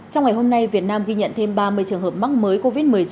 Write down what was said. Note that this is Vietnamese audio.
trong ngày hôm nay việt nam ghi nhận thêm ba mươi trường hợp mắc mới covid một mươi chín